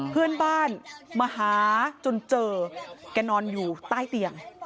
เพื่อนบ้านมาหาจนเจอแกนอนอยู่ใต้เตียง